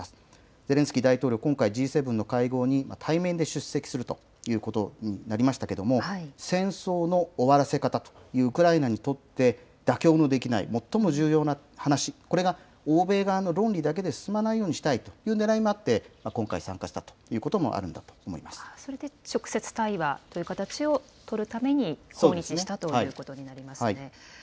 ゼレンスキー大統領、今回、Ｇ７の会合に対面で出席するということになりましたけれども、戦争の終わらせ方という、ウクライナにとって妥協のできない最も重要な話、これが欧米側の論理だけで進まないようにしたいというねらいもあって、今回参加したというこそれで直接対話という形を取るために訪日したということになりますね。